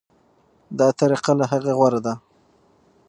دا طریقه له هغې غوره ده.